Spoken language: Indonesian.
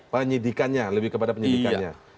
penyidikannya lebih kepada penyidikannya